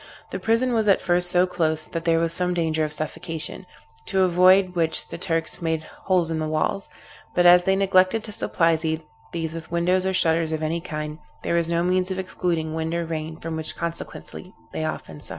The prison was at first so close, that there was some danger of suffocation, to avoid which the Turks had made holes in the walls; but as they neglected to supply these with windows or shutters of any kind, there was no means of excluding wind or rain, from which consequently they often suffered.